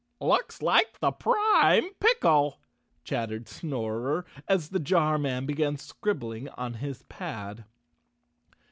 "Looks like the Prime Pickle," chattered Snorer, as the jar man began scribbling on his pad.